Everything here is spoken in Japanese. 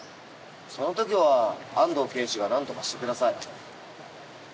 そのときは安堂刑事がなんとかしてください。